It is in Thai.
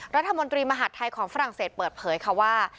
รัฐมนตรีมหาดไทยของฝรั่งเศสเปิดเผยค่ะว่า